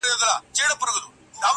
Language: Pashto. o څوک چي ددې دور ملګري او ياران ساتي,